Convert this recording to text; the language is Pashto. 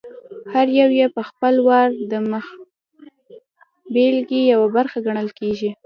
هر یو یې په خپل وار د مخبېلګې یوه برخه ګڼل کېږي.